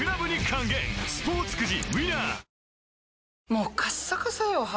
もうカッサカサよ肌。